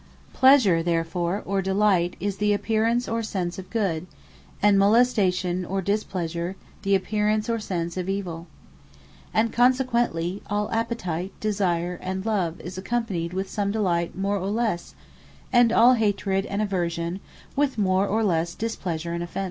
Pleasure therefore, (or Delight,) is the apparence, or sense of Good; and Molestation or Displeasure, the apparence, or sense of evill. And consequently all Appetite, Desire, and Love, is accompanied with some Delight more or lesse; and all Hatred, and Aversion, with more or lesse Displeasure and Offence.